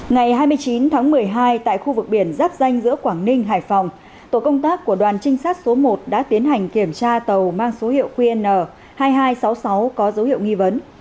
ngày hai mươi chín tháng một mươi hai tại khu vực biển giáp danh giữa quảng ninh hải phòng tổ công tác của đoàn trinh sát số một đã tiến hành kiểm tra tàu mang số hiệu qn hai nghìn hai trăm sáu mươi sáu có dấu hiệu nghi vấn